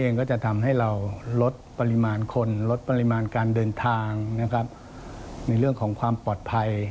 ในเรื่องของความปลอดภัย